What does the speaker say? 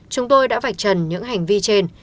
chúng tôi đã vạch chân những hành vi trên